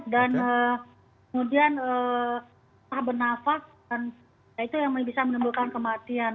dan kemudian tak bernafas ya itu yang bisa menimbulkan kematian